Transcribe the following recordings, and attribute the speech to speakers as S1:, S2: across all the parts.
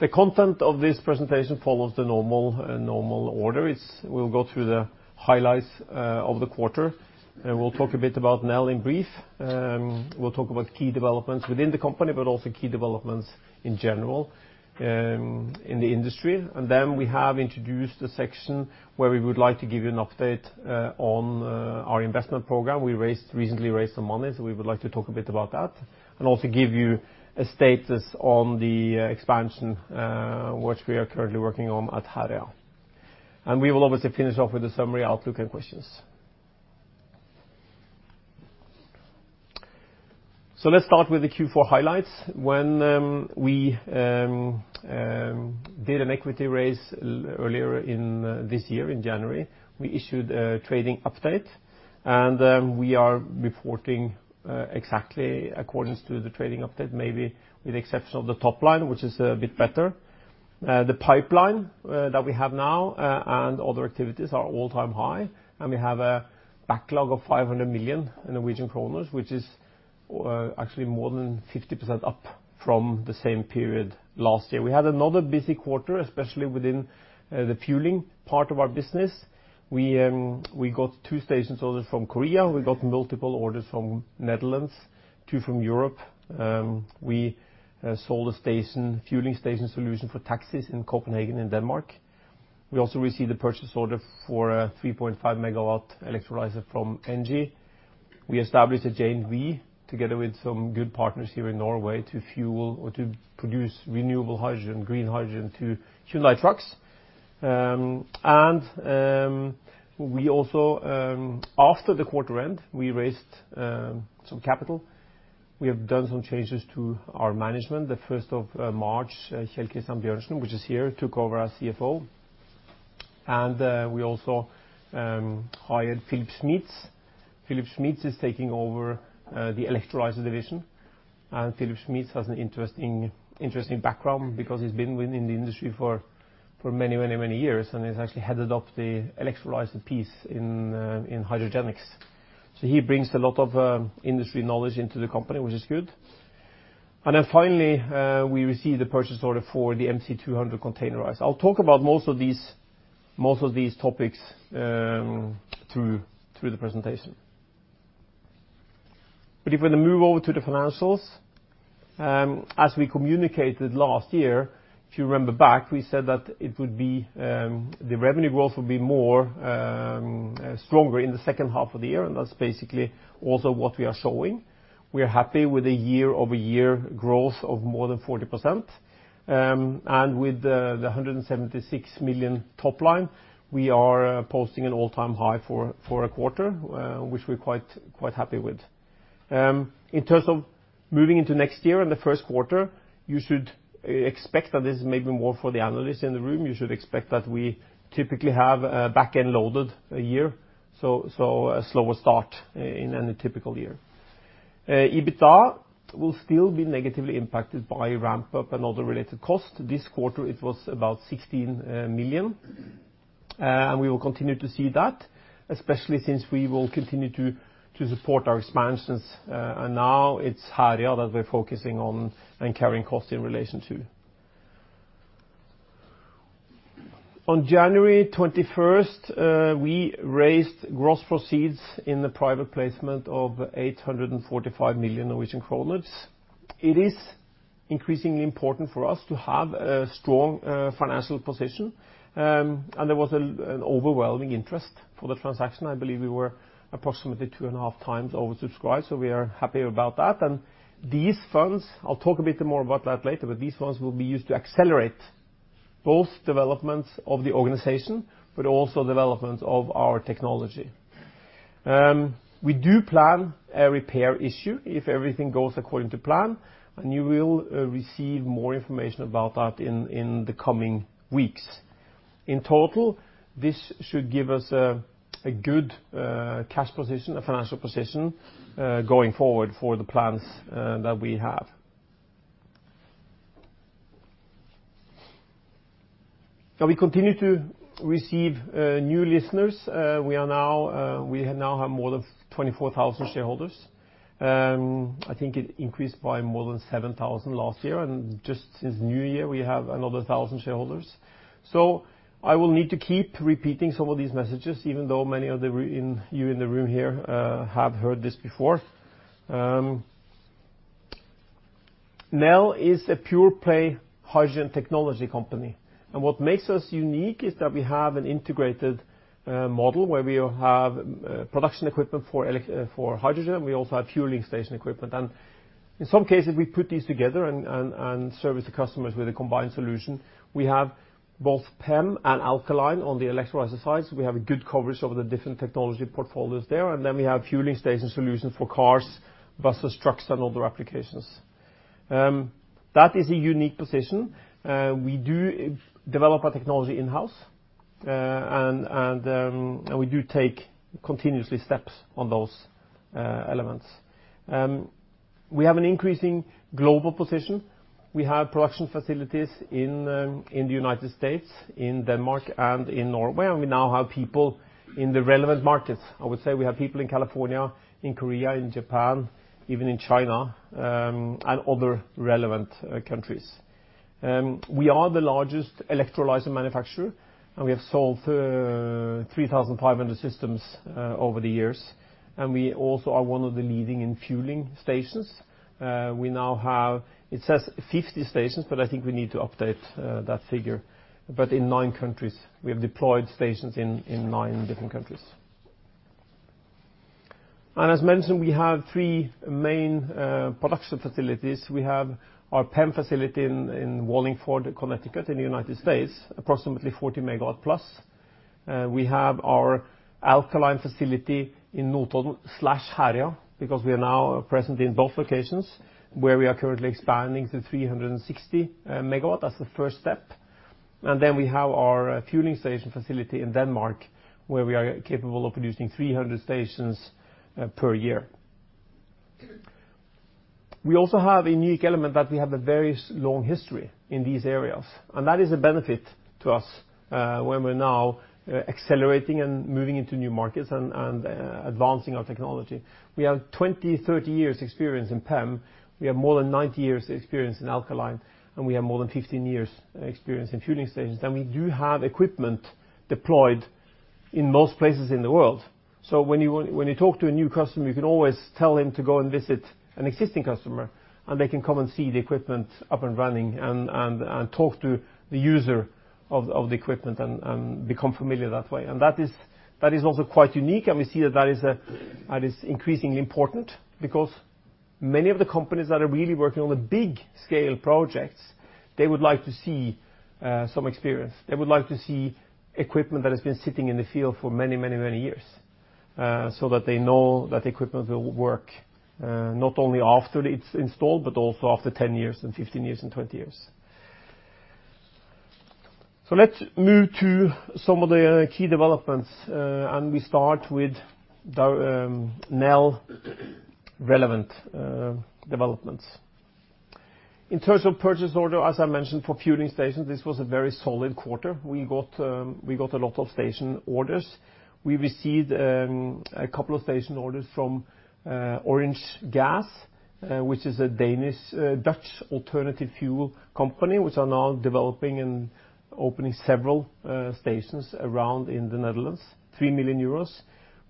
S1: The content of this presentation follows the normal order. We'll go through the highlights of the quarter, and we'll talk a bit about Nel in brief. We'll talk about key developments within the company, but also key developments in general in the industry. We have introduced a section where we would like to give you an update on our investment program. We recently raised some money, so we would like to talk a bit about that, and also give you a status on the expansion, which we are currently working on at Herøya. We will obviously finish off with a summary outlook and questions. Let's start with the Q4 highlights. When we did an equity raise earlier in this year, in January, we issued a trading update, and we are reporting exactly accordance to the trading update, maybe with the exception of the top line, which is a bit better. The pipeline that we have now and other activities are all-time high, and we have a backlog of 500 million Norwegian kroner, which is actually more than 50% up from the same period last year. We had another busy quarter, especially within the fueling part of our business. We got two station orders from Korea. We got multiple orders from Netherlands, two from Europe. We sold a fueling station solution for taxis in Copenhagen and Denmark. We also received a purchase order for a 3.5-megawatt electrolyzer from ENGIE. We established a JV together with some good partners here in Norway to fuel or to produce renewable hydrogen, green hydrogen, to fuel my trucks. After the quarter end, we raised some capital. We have done some changes to our management. The 1st of March, Helge Sandbjørnsen, which is here, took over as CFO. We also hired Philip Schmitz. Philip Schmitz is taking over the electrolyzer division. Philip Schmitz has an interesting background because he's been within the industry for many years and has actually headed up the electrolyzer piece in Hydrogenics. He brings a lot of industry knowledge into the company, which is good. Finally, we received the purchase order for the MC200 containerized. I'll talk about most of these topics through the presentation. If we move over to the financials, as we communicated last year, if you remember back, we said that the revenue growth would be more stronger in the second half of the year, and that's basically also what we are showing. We are happy with the year-over-year growth of more than 40%. With the 176 million top line, we are posting an all-time high for a quarter, which we're quite happy with. In terms of moving into next year and the first quarter, you should expect that this is maybe more for the analysts in the room. You should expect that we typically have a back-end loaded year, so a slower start in any typical year. EBITDA will still be negatively impacted by ramp-up and other related costs. This quarter, it was about 16 million. We will continue to see that, especially since we will continue to support our expansions. Now it's Herøya that we're focusing on and carrying costs in relation to. On January 21st, we raised gross proceeds in the private placement of 845 million Norwegian kroner. It is increasingly important for us to have a strong financial position, and there was an overwhelming interest for the transaction. I believe we were approximately 2.5 times oversubscribed, so we are happy about that. These funds, I'll talk a bit more about that later, but these funds will be used to accelerate both developments of the organization, but also developments of our technology. We do plan a repair issue if everything goes according to plan, and you will receive more information about that in the coming weeks. In total, this should give us a good cash position, a financial position, going forward for the plans that we have. We continue to receive new listeners. We now have more than 24,000 shareholders. I think it increased by more than 7,000 last year. Just since New Year, we have another 1,000 shareholders. I will need to keep repeating some of these messages, even though many of you in the room here have heard this before. Nel is a pure-play hydrogen technology company. What makes us unique is that we have an integrated model where we have production equipment for hydrogen. We also have fueling station equipment. In some cases, we put these together and service the customers with a combined solution. We have both PEM and alkaline on the electrolyzer side. We have a good coverage over the different technology portfolios there. We have fueling station solutions for cars, buses, trucks, and other applications. That is a unique position. We do develop our technology in-house and we do take continuously steps on those elements. We have an increasing global position. We have production facilities in the U.S., in Denmark, and in Norway, and we now have people in the relevant markets. I would say we have people in California, in Korea, in Japan, even in China, and other relevant countries. We are the largest electrolyzer manufacturer, and we have sold 3,500 systems over the years. We also are one of the leading in fueling stations. We now have, it says 50 stations, but I think we need to update that figure, in nine countries. We have deployed stations in nine different countries. As mentioned, we have three main production facilities. We have our PEM facility in Wallingford, Connecticut, in the United States, approximately 40 megawatt plus. We have our alkaline facility in Notodden/Herøya, because we are now present in both locations, where we are currently expanding to 360 megawatts as the first step. We have our fueling station facility in Denmark, where we are capable of producing 300 stations per year. We also have a unique element that we have a various long history in these areas, and that is a benefit to us, when we're now accelerating and moving into new markets and advancing our technology. We have 20, 30 years experience in PEM. We have more than 90 years experience in alkaline, and we have more than 15 years experience in fueling stations. We do have equipment deployed in most places in the world. When you talk to a new customer, you can always tell him to go and visit an existing customer, and they can come and see the equipment up and running and talk to the user of the equipment and become familiar that way. That is also quite unique, and we see that is increasingly important, because many of the companies that are really working on the big-scale projects, they would like to see some experience. They would like to see equipment that has been sitting in the field for many years, so that they know that the equipment will work, not only after it's installed, but also after 10 years and 15 years and 20 years. Let's move to some of the key developments. We start with Nel-relevant developments. In terms of purchase order, as I mentioned, for fueling stations, this was a very solid quarter. We got a lot of station orders. We received a couple of station orders from OrangeGas, which is a Danish-Dutch alternative fuel company, which are now developing and opening several stations around in the Netherlands, 3 million euros.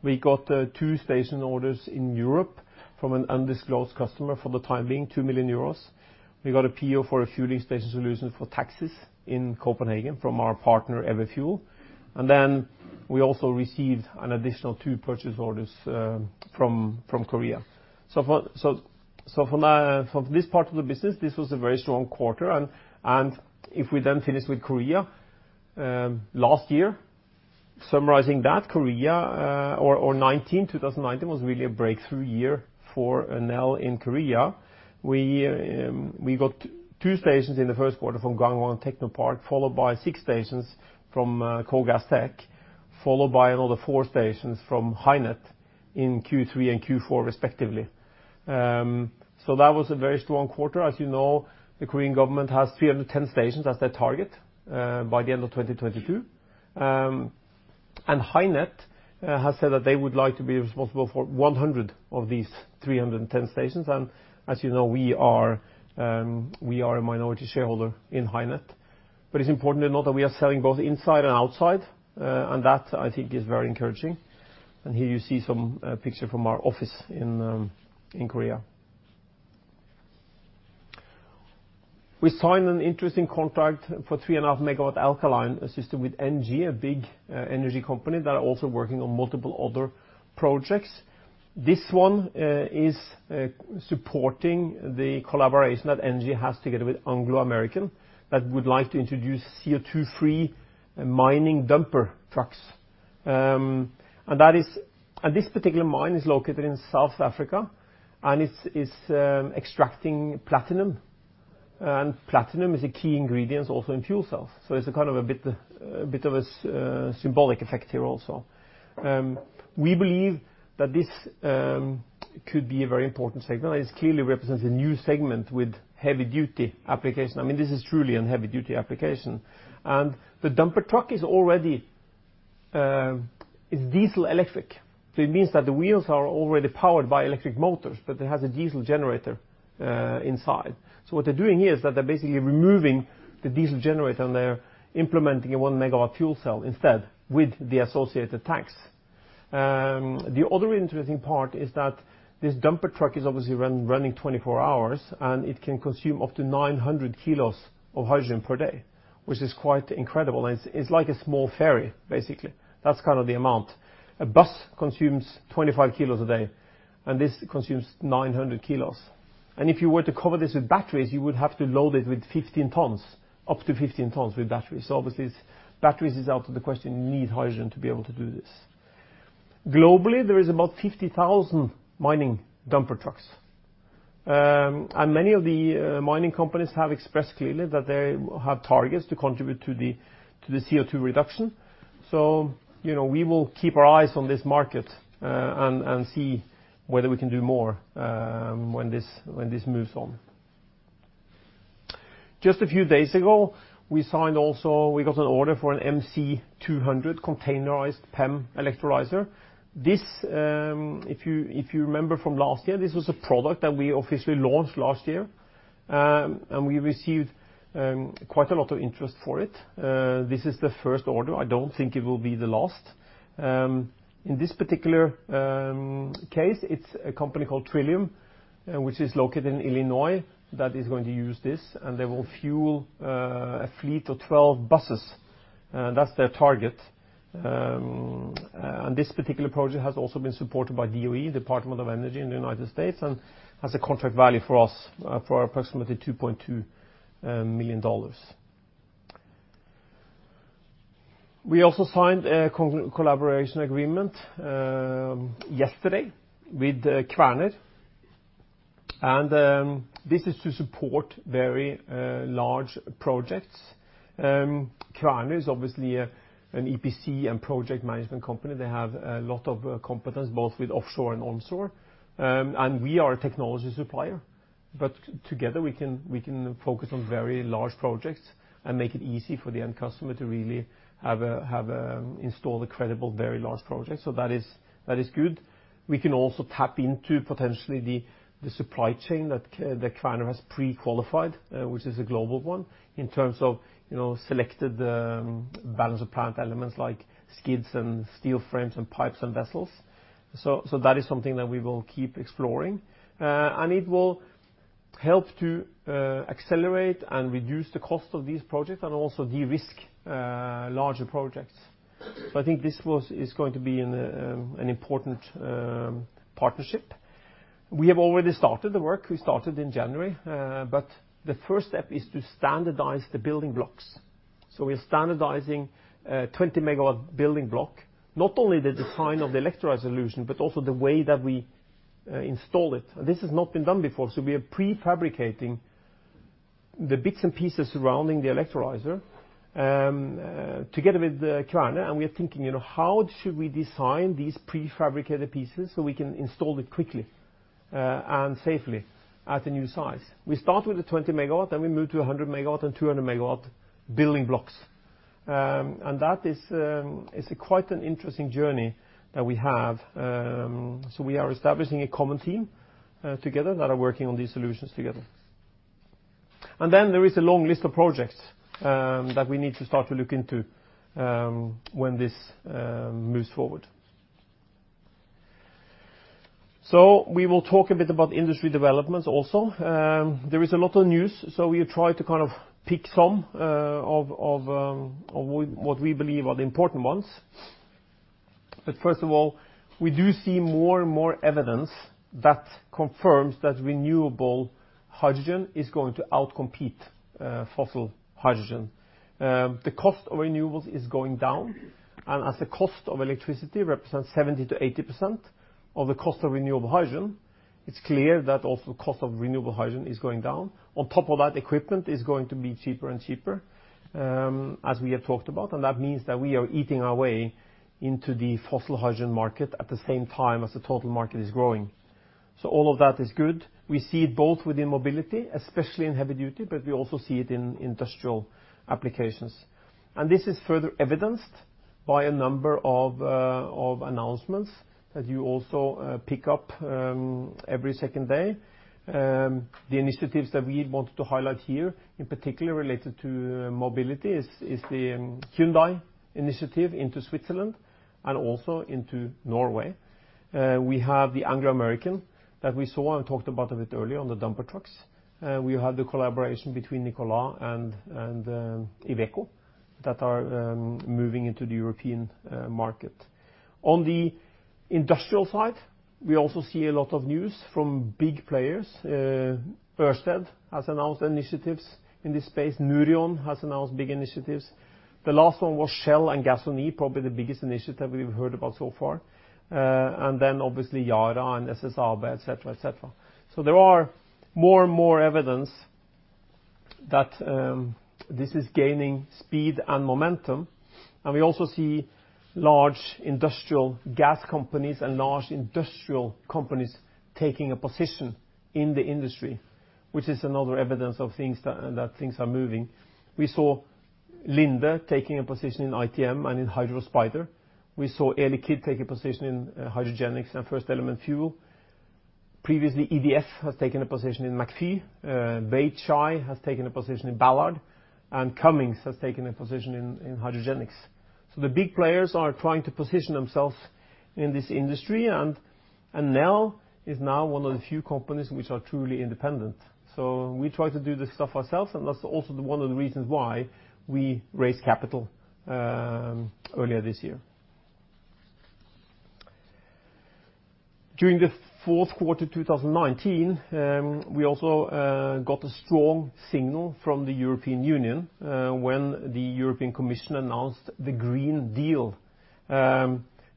S1: We got two station orders in Europe from an undisclosed customer for the time being, 2 million euros. We got a PO for a fueling station solution for taxis in Copenhagen from our partner Everfuel. We also received an additional two purchase orders from Korea. For this part of the business, this was a very strong quarter and if we then finish with Korea, last year, summarizing that, Korea or 2019 was really a breakthrough year for Nel in Korea. We got two stations in the first quarter from Gangwon Techno Park, followed by six stations from KOGAS-Tech, followed by another four stations from HyNet in Q3 and Q4 respectively. That was a very strong quarter. As you know, the Korean government has 310 stations as their target by the end of 2022. HyNet has said that they would like to be responsible for 100 of these 310 stations. As you know, we are a minority shareholder in HyNet. It's important to note that we are selling both inside and outside, and that I think is very encouraging. Here you see some picture from our office in Korea. We signed an interesting contract for three and a half MW alkaline system with ENGIE, a big energy company that are also working on multiple other projects. This one is supporting the collaboration that ENGIE has together with Anglo American that would like to introduce CO2-free mining dumper trucks. This particular mine is located in South Africa, and it's extracting platinum. Platinum is a key ingredient also in fuel cells. It's a kind of a bit of a symbolic effect here also. We believe that this could be a very important segment, and this clearly represents a new segment with heavy-duty application. This is truly an heavy-duty application. The dumper truck is already diesel-electric. It means that the wheels are already powered by electric motors, but it has a diesel generator inside. What they're doing here is that they're basically removing the diesel generator, and they're implementing a 1 megawatt fuel cell instead with the associated tanks. The other interesting part is that this dumper truck is obviously running 24 hours, and it can consume up to 900 kilos of hydrogen per day, which is quite incredible. It's like a small ferry, basically. That's the amount. A bus consumes 25 kilos a day, this consumes 900 kilos. If you were to cover this with batteries, you would have to load it with 15 tons, up to 15 tons with batteries. Obviously batteries is out of the question. You need hydrogen to be able to do this. Globally, there is about 50,000 mining dumper trucks. Many of the mining companies have expressed clearly that they have targets to contribute to the CO2 reduction. We will keep our eyes on this market and see whether we can do more when this moves on. Just a few days ago, we got an order for an MC250 containerized PEM electrolyzer. This, if you remember from last year, this was a product that we officially launched last year. And we received quite a lot of interest for it. This is the first order. I don't think it will be the last. In this particular case, it's a company called Trillium, which is located in Illinois, that is going to use this, and they will fuel a fleet of 12 buses. That's their target. This particular project has also been supported by DOE, Department of Energy in the United States, and has a contract value for us for approximately $2.2 million. We also signed a collaboration agreement yesterday with Kværner, and this is to support very large projects. Kværner is obviously an EPC and project management company. They have a lot of competence, both with offshore and onshore. We are a technology supplier, but together we can focus on very large projects and make it easy for the end customer to really install a credible, very large project. That is good. We can also tap into, potentially, the supply chain that Kværner has pre-qualified, which is a global one, in terms of selected balance of plant elements like skids and steel frames and pipes and vessels. That is something that we will keep exploring. It will help to accelerate and reduce the cost of these projects and also de-risk larger projects. I think this is going to be an important partnership. We have already started the work. We started in January. The first step is to standardize the building blocks. We're standardizing a 20-megawatt building block, not only the design of the electrolyzer solution, but also the way that we install it. This has not been done before, so we are prefabricating the bits and pieces surrounding the electrolyzer together with Kværner, and we are thinking, how should we design these prefabricated pieces so we can install it quickly and safely at a new site. We start with the 20 megawatt, then we move to 100 megawatt and 200 megawatt building blocks. That is quite an interesting journey that we have. We are establishing a common team together that are working on these solutions together. Then there is a long list of projects that we need to start to look into when this moves forward. We will talk a bit about industry developments also. There is a lot of news. First of all, we do see more and more evidence that confirms that renewable hydrogen is going to outcompete fossil hydrogen. The cost of renewables is going down, and as the cost of electricity represents 70%-80% of the cost of renewable hydrogen, it is clear that also cost of renewable hydrogen is going down. On top of that, equipment is going to be cheaper and cheaper, as we have talked about, and that means that we are eating our way into the fossil hydrogen market at the same time as the total market is growing. All of that is good. We see it both within mobility, especially in heavy duty, but we also see it in industrial applications. This is further evidenced by a number of announcements that you also pick up every second day. The initiatives that we wanted to highlight here, in particular related to mobility, is the Hyundai initiative into Switzerland and also into Norway. We have the Anglo American that we saw and talked about a bit earlier on the dumper trucks. We have the collaboration between Nikola and Iveco that are moving into the European market. On the industrial side, we also see a lot of news from big players. Ørsted has announced initiatives in this space. Nouryon has announced big initiatives. The last one was Shell and Gasunie, probably the biggest initiative we've heard about so far. Then obviously Yara and SSAB, et cetera. There are more and more evidence that this is gaining speed and momentum. We also see large industrial gas companies and large industrial companies taking a position in the industry, which is another evidence that things are moving. We saw Linde taking a position in ITM and in Hydrospider. We saw Air Liquide take a position in Hydrogenics and FirstElement Fuel. Previously, EDF has taken a position in McPhy. Weichai has taken a position in Ballard, and Cummins has taken a position in Hydrogenics. The big players are trying to position themselves in this industry, and Nel is now one of the few companies which are truly independent. We try to do this stuff ourselves, and that's also one of the reasons why we raised capital earlier this year. During the fourth quarter 2019, we also got a strong signal from the European Union when the European Commission announced the European Green Deal,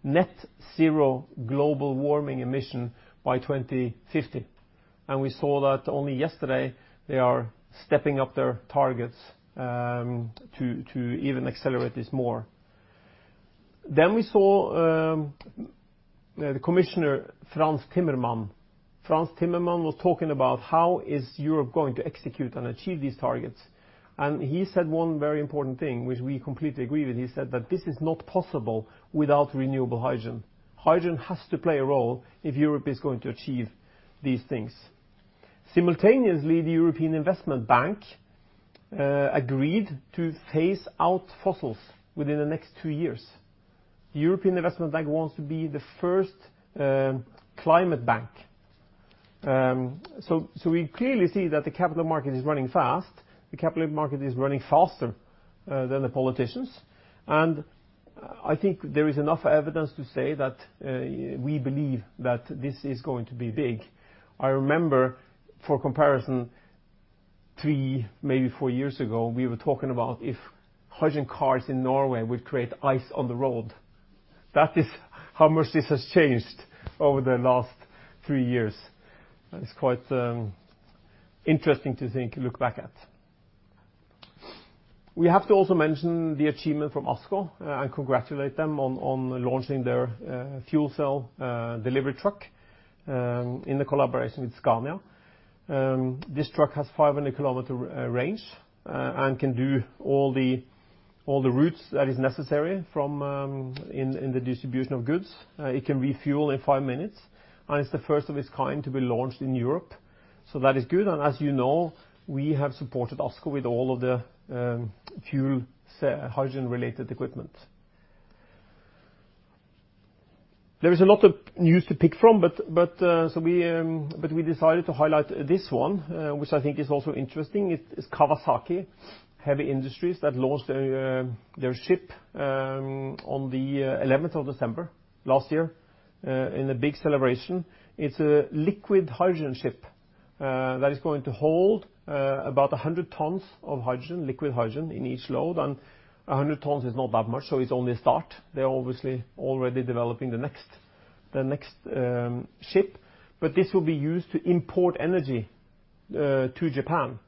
S1: net zero global warming emission by 2050. We saw that only yesterday. They are stepping up their targets to even accelerate this more. We saw the commissioner, Frans Timmermans. Frans Timmermans was talking about how is Europe going to execute and achieve these targets? He said one very important thing, which we completely agree with. He said that this is not possible without renewable hydrogen. Hydrogen has to play a role if Europe is going to achieve these things. Simultaneously, the European Investment Bank agreed to phase out fossils within the next two years. The European Investment Bank wants to be the first climate bank. We clearly see that the capital market is running fast. The capital market is running faster than the politicians, and I think there is enough evidence to say that we believe that this is going to be big. I remember, for comparison, three, maybe four years ago, we were talking about if hydrogen cars in Norway would create ice on the road. That is how much this has changed over the last three years. It is quite interesting to think, look back at. We have to also mention the achievement from ASKO and congratulate them on launching their fuel cell delivery truck in a collaboration with Scania. This truck has 500 km range and can do all the routes that is necessary in the distribution of goods. It can refuel in five minutes, and it is the first of its kind to be launched in Europe. So that is good. As you know, we have supported ASKO with all of the fuel hydrogen-related equipment. There is a lot of news to pick from, but we decided to highlight this one, which I think is also interesting. It's Kawasaki Heavy Industries that launched their ship on the 11th of December last year in a big celebration. It's a liquid hydrogen ship that is going to hold about 100 tons of liquid hydrogen in each load. 100 tons is not that much, so it's only a start. They're obviously already developing the next ship. This will be used to import energy to Japan.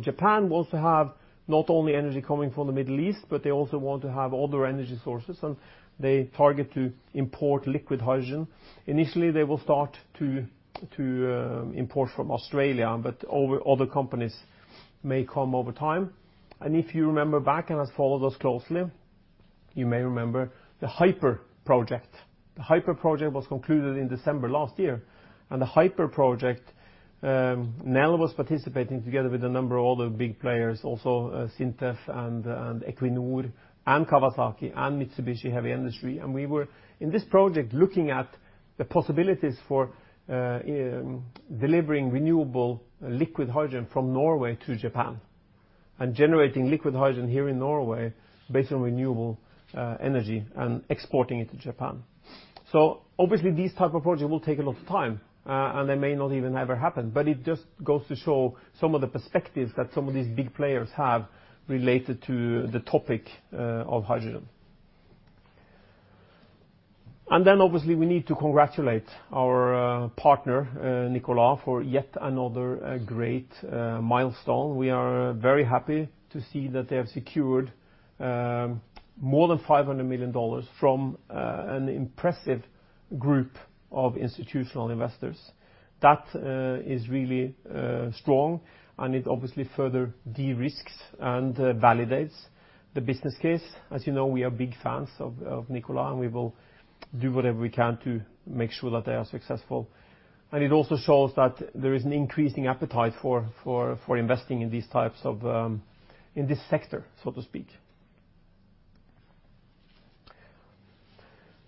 S1: Japan wants to have not only energy coming from the Middle East, but they also want to have other energy sources, and they target to import liquid hydrogen. Initially, they will start to import from Australia, but other companies may come over time. If you remember back and has followed us closely, you may remember the HYPER Project. The HYPER Project was concluded in December last year. The HYPER Project, Nel was participating together with a number of other big players, also SINTEF and Equinor and Kawasaki and Mitsubishi Heavy Industries. We were, in this project, looking at the possibilities for delivering renewable liquid hydrogen from Norway to Japan and generating liquid hydrogen here in Norway based on renewable energy and exporting it to Japan. Obviously, these type of projects will take a lot of time, and they may not even ever happen. It just goes to show some of the perspectives that some of these big players have related to the topic of hydrogen. Obviously, we need to congratulate our partner, Nikola, for yet another great milestone. We are very happy to see that they have secured more than $500 million from an impressive group of institutional investors. That is really strong, and it obviously further de-risks and validates the business case. As you know, we are big fans of Nikola, and we will do whatever we can to make sure that they are successful. It also shows that there is an increasing appetite for investing in this sector, so to speak.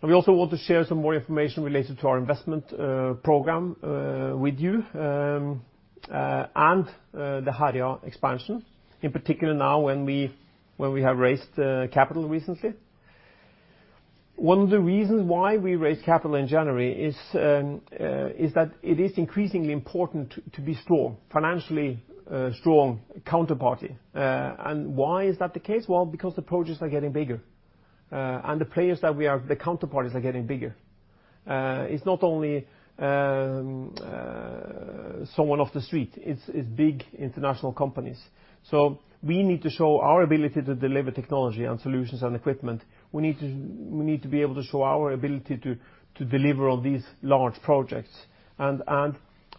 S1: We also want to share some more information related to our investment program with you and the Herøya expansion, in particular now when we have raised capital recently. One of the reasons why we raised capital in January is that it is increasingly important to be financially strong counterparty. Why is that the case? Well, because the projects are getting bigger, and the counterparties are getting bigger. It's not only someone off the street. It's big international companies. We need to show our ability to deliver technology and solutions and equipment. We need to be able to show our ability to deliver on these large projects.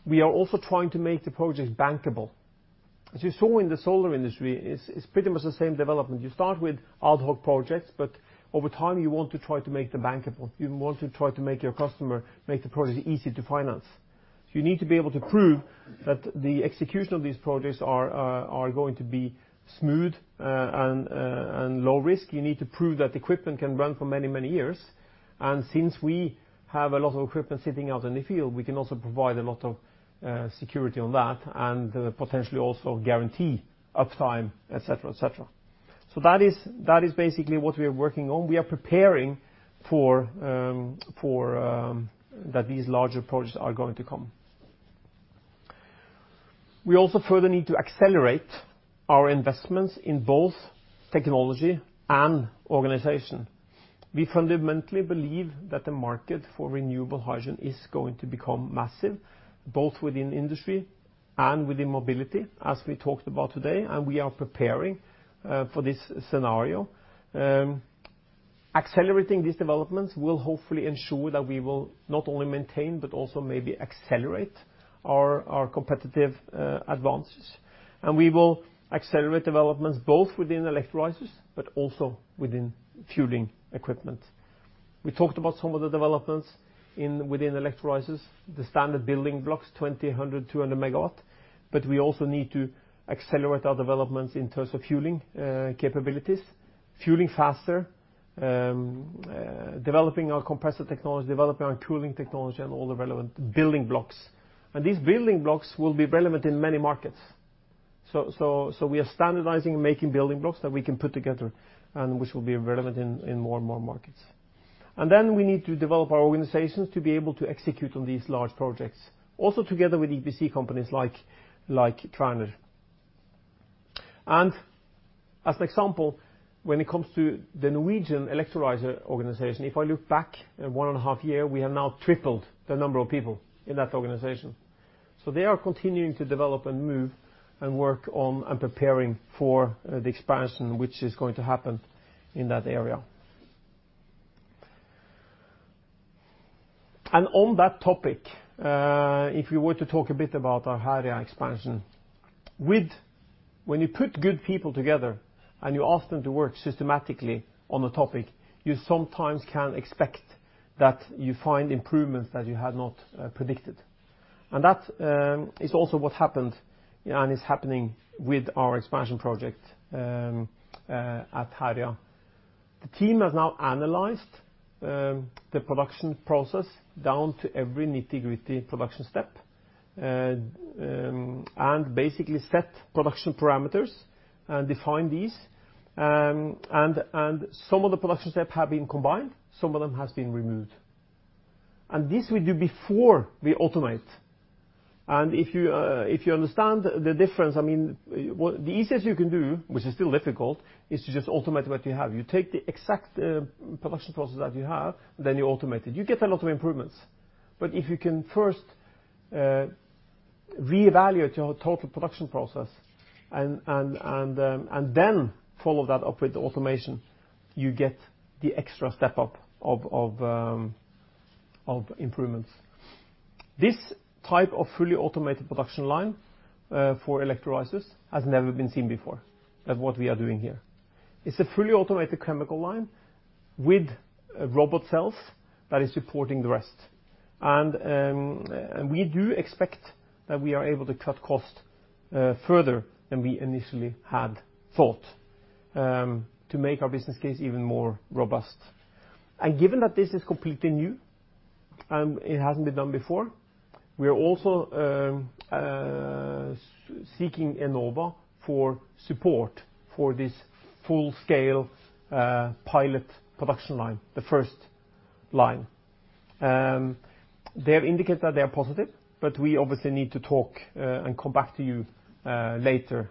S1: We are also trying to make the projects bankable. As you saw in the solar industry, it's pretty much the same development. You start with ad hoc projects, but over time, you want to try to make them bankable. You want to try to make your customer make the project easy to finance. You need to be able to prove that the execution of these projects are going to be smooth and low risk. You need to prove that equipment can run for many, many years. Since we have a lot of equipment sitting out in the field, we can also provide a lot of security on that and potentially also guarantee uptime, et cetera. That is basically what we are working on. We are preparing that these larger projects are going to come. We also further need to accelerate our investments in both technology and organization. We fundamentally believe that the market for renewable hydrogen is going to become massive, both within industry and within mobility, as we talked about today, and we are preparing for this scenario. Accelerating these developments will hopefully ensure that we will not only maintain but also maybe accelerate our competitive advances. We will accelerate developments both within electrolyzers but also within fueling equipment. We talked about some of the developments within electrolyzers, the standard building blocks, 2,100, 200 megawatt, but we also need to accelerate our developments in terms of fueling capabilities, fueling faster, developing our compressor technology, developing our cooling technology, and all the relevant building blocks. These building blocks will be relevant in many markets. We are standardizing making building blocks that we can put together and which will be relevant in more and more markets. Then we need to develop our organizations to be able to execute on these large projects, also together with EPC companies like Kværner. As an example, when it comes to the Norwegian electrolyzer organization, if I look back one and a half year, we have now tripled the number of people in that organization. They are continuing to develop and move and work on and preparing for the expansion, which is going to happen in that area. On that topic, if you were to talk a bit about our Herøya expansion, when you put good people together and you ask them to work systematically on a topic, you sometimes can expect that you find improvements that you had not predicted. That is also what happened and is happening with our expansion project at Herøya. The team has now analyzed the production process down to every nitty-gritty production step and basically set production parameters and defined these, and some of the production steps have been combined, some of them has been removed. This we do before we automate. If you understand the difference, the easiest you can do, which is still difficult, is to just automate what you have. You take the exact production process that you have, then you automate it. You get a lot of improvements. If you can first reevaluate your total production process and then follow that up with automation, you get the extra step up of improvements. This type of fully automated production line for electrolyzers has never been seen before, that what we are doing here. It's a fully automated chemical line with robot cells that is supporting the rest. We do expect that we are able to cut cost further than we initially had thought to make our business case even more robust. Given that this is completely new and it hasn't been done before, we are also seeking Enova for support for this full-scale pilot production line, the first line. They have indicated that they are positive, but we obviously need to talk and come back to you later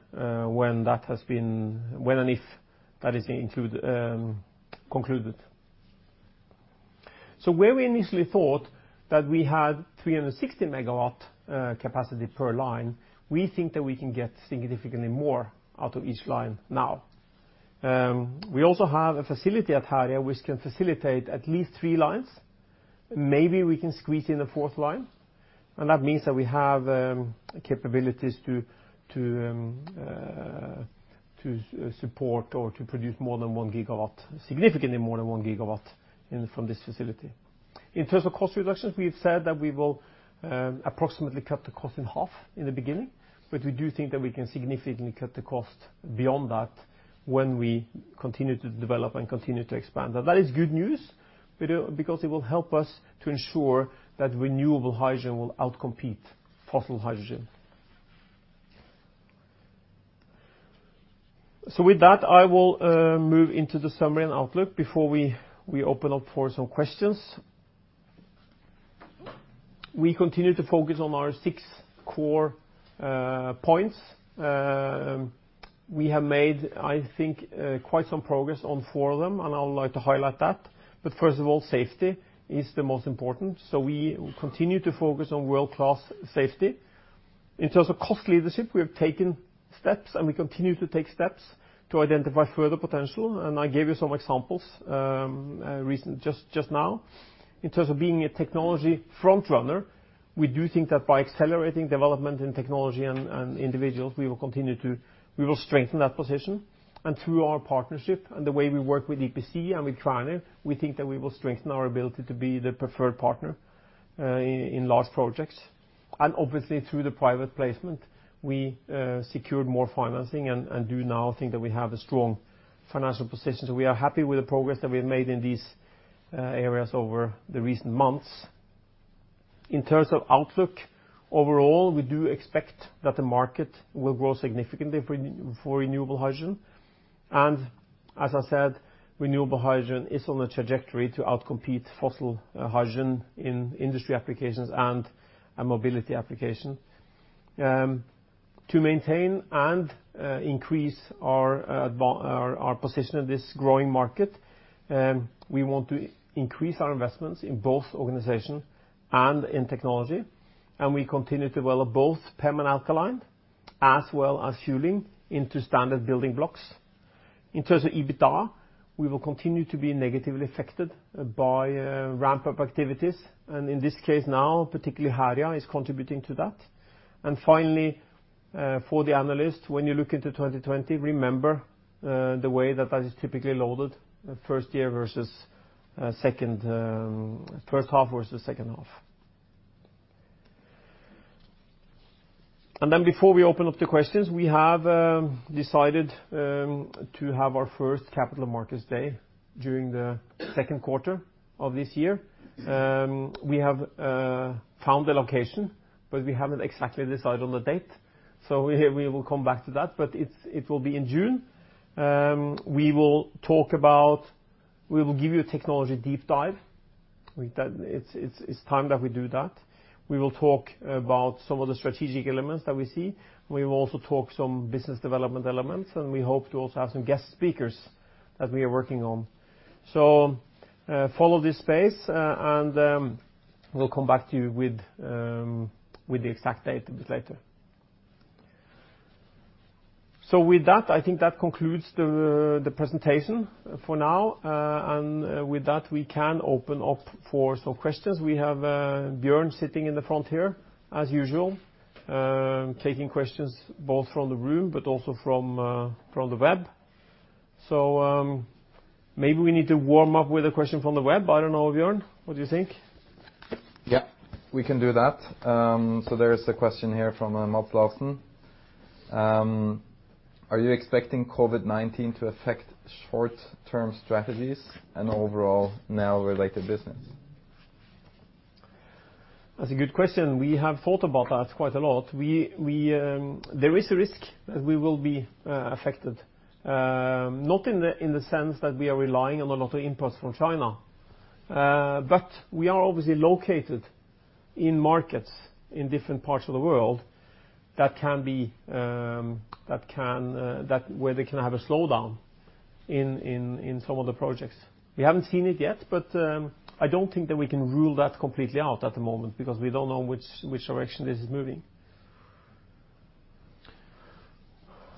S1: when and if that is concluded. Where we initially thought that we had 360 MW capacity per line, we think that we can get significantly more out of each line now. We also have a facility at Herøya which can facilitate at least three lines. Maybe we can squeeze in a fourth line, and that means that we have capabilities to support or to produce more than 1 GW, significantly more than 1 GW from this facility. In terms of cost reductions, we have said that we will approximately cut the cost in half in the beginning, but we do think that we can significantly cut the cost beyond that when we continue to develop and continue to expand. That is good news because it will help us to ensure that renewable hydrogen will outcompete fossil hydrogen. With that, I will move into the summary and outlook before we open up for some questions. We continue to focus on our six core points. We have made, I think, quite some progress on four of them, and I would like to highlight that. First of all, safety is the most important. We continue to focus on world-class safety. In terms of cost leadership, we have taken steps, and we continue to take steps to identify further potential, and I gave you some examples just now. In terms of being a technology frontrunner, we do think that by accelerating development in technology and individuals, we will strengthen that position. Through our partnership and the way we work with EPC and with Kværner, we think that we will strengthen our ability to be the preferred partner in large projects. Obviously, through the private placement, we secured more financing and do now think that we have a strong financial position. We are happy with the progress that we have made in these areas over the recent months. In terms of outlook, overall, we do expect that the market will grow significantly for renewable hydrogen. As I said, renewable hydrogen is on a trajectory to outcompete fossil hydrogen in industry applications and mobility application. To maintain and increase our position in this growing market, we want to increase our investments in both organization and in technology, and we continue to develop both PEM and alkaline, as well as fueling into standard building blocks. In terms of EBITDA, we will continue to be negatively affected by ramp-up activities. In this case now, particularly Herøya is contributing to that. For the analysts, when you look into 2020, remember the way that is typically loaded, first half versus second half. Before we open up to questions, we have decided to have our first capital markets day during the second quarter of this year. We have found a location, but we haven't exactly decided on the date. We will come back to that, but it will be in June. We will give you a technology deep dive. It's time that we do that. We will talk about some of the strategic elements that we see. We will also talk some business development elements, and we hope to also have some guest speakers that we are working on. Follow this space, and we'll come back to you with the exact date a bit later. With that, I think that concludes the presentation for now. With that, we can open up for some questions. We have Bjørn sitting in the front here, as usual, taking questions both from the room but also from the web. Maybe we need to warm up with a question from the web. I don't know, Bjørn, what do you think?
S2: Yeah, we can do that. There is a question here from Bob Lawson. Are you expecting COVID-19 to affect short-term strategies and overall Nel-related business?
S1: That's a good question. We have thought about that quite a lot. There is a risk that we will be affected, not in the sense that we are relying on a lot of imports from China. We are obviously located in markets in different parts of the world where they can have a slowdown in some of the projects. We haven't seen it yet, but I don't think that we can rule that completely out at the moment because we don't know which direction this is moving.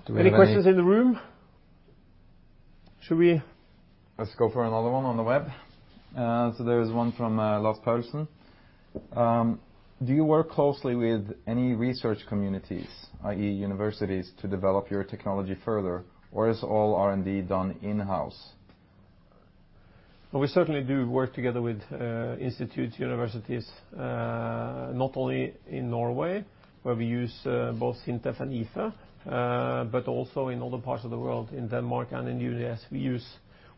S2: Do we have any-
S1: Any questions in the room? Should we.
S2: Let's go for another one on the web. There is one from Lars Paulsson. Do you work closely with any research communities, i.e., universities, to develop your technology further, or is all R&D done in-house?
S1: We certainly do work together with institutes, universities, not only in Norway, where we use both SINTEF and IFE, but also in other parts of the world, in Denmark and in the U.S.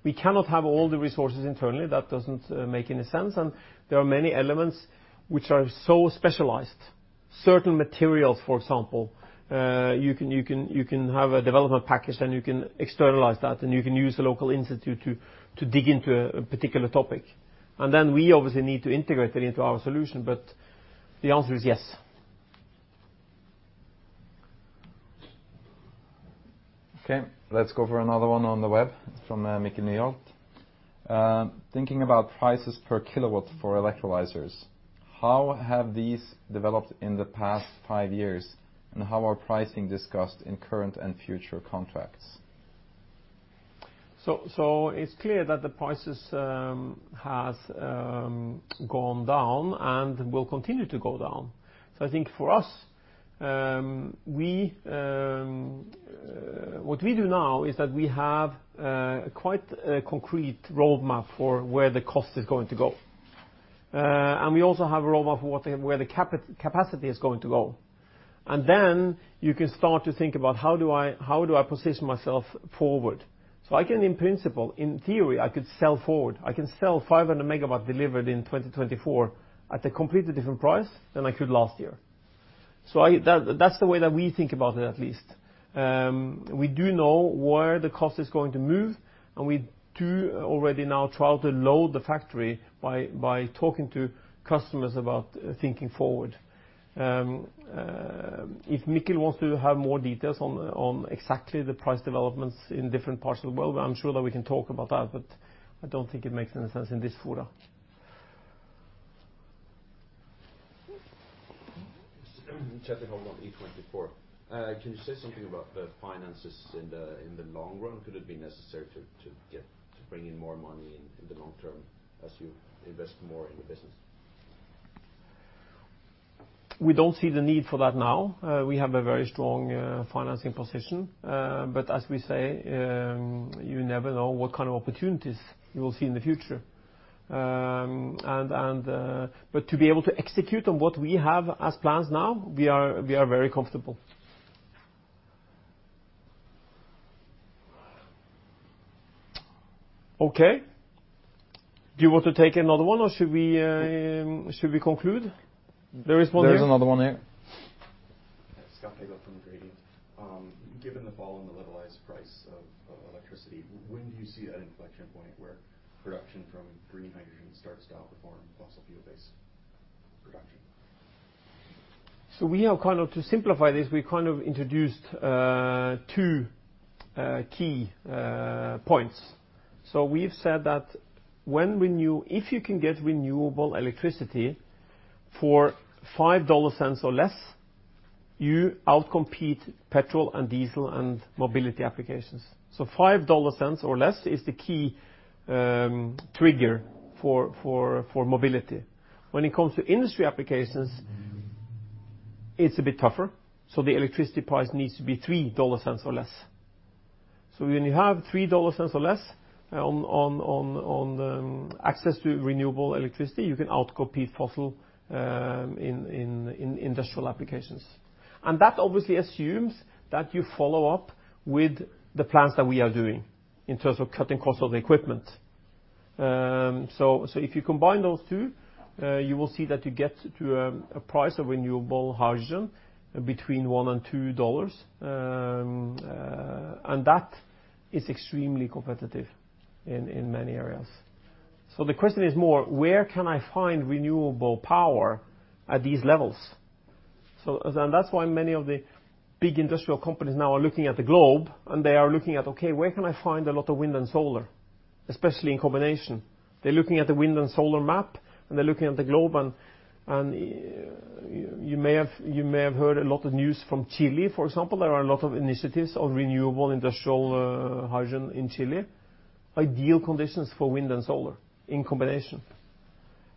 S1: We cannot have all the resources internally. That doesn't make any sense. There are many elements which are so specialized. Certain materials, for example. You can have a development package, and you can externalize that, and you can use a local institute to dig into a particular topic. We obviously need to integrate it into our solution. The answer is yes.
S2: Let's go for another one on the web from Mickey Newalt. Thinking about prices per kilowatt for electrolyzers, how have these developed in the past five years, and how are pricing discussed in current and future contracts?
S1: It's clear that the prices have gone down and will continue to go down. I think for us, what we do now is that we have quite a concrete roadmap for where the cost is going to go. We also have a roadmap for where the capacity is going to go. Then you can start to think about how do I position myself forward? I can in principle, in theory, I could sell forward. I can sell 500 MW delivered in 2024 at a completely different price than I could last year. That's the way that we think about it, at least. We do know where the cost is going to move, and we do already now try to load the factory by talking to customers about thinking forward. If Mickey wants to have more details on exactly the price developments in different parts of the world, I'm sure that we can talk about that, but I don't think it makes any sense in this forum.
S3: Jackie Holman, E24. Can you say something about the finances in the long run? Could it be necessary to bring in more money in the long term as you invest more in the business?
S1: We don't see the need for that now. We have a very strong financing position. As we say, you never know what kind of opportunities you will see in the future. To be able to execute on what we have as plans now, we are very comfortable. Okay, do you want to take another one, or should we conclude? There is one here.
S2: There is another one here.
S4: Scott Pagel from Gradient. Given the fall in the levelized price of electricity, when do you see that inflection point where production from green hydrogen starts to outperform fossil fuel-based production?
S1: To simplify this, we introduced two key points. We've said that if you can get renewable electricity for 0.05 or less, you outcompete petrol and diesel and mobility applications. 0.05 or less is the key trigger for mobility. When it comes to industry applications, it's a bit tougher. The electricity price needs to be 0.03 or less. When you have 0.03 or less on access to renewable electricity, you can outcompete fossil in industrial applications. That obviously assumes that you follow up with the plans that we are doing in terms of cutting costs of the equipment. If you combine those two, you will see that you get to a price of renewable hydrogen between 1 and NOK 2, and that is extremely competitive in many areas. The question is more, where can I find renewable power at these levels? That's why many of the big industrial companies now are looking at the globe, and they are looking at, okay, where can I find a lot of wind and solar, especially in combination? They're looking at the wind and solar map, and they're looking at the globe, and you may have heard a lot of news from Chile, for example. There are a lot of initiatives on renewable industrial hydrogen in Chile. Ideal conditions for wind and solar in combination.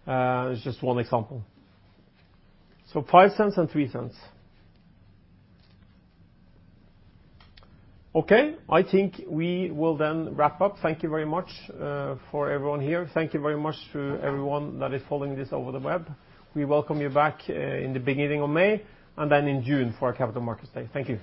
S1: It's just one example. NOK 0.05 and NOK 0.03. Okay, I think we will then wrap up. Thank you very much for everyone here. Thank you very much to everyone that is following this over the web. We welcome you back in the beginning of May and then in June for our Capital Markets Day. Thank you.